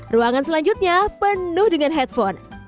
ruangan selanjutnya penuh dengan headphone